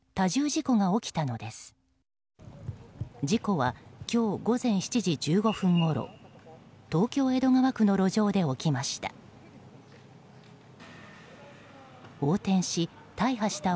事故は今日午前７時１５分ごろ東京・江戸川区の路上で起きました。